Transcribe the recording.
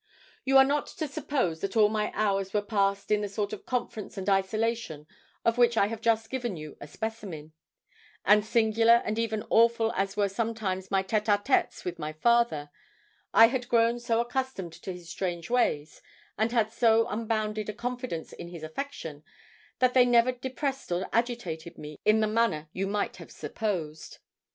You are not to suppose that all my hours were passed in the sort of conference and isolation of which I have just given you a specimen; and singular and even awful as were sometimes my tête a têtes with my father, I had grown so accustomed to his strange ways, and had so unbounded a confidence in his affection, that they never depressed or agitated me in the manner you might have supposed.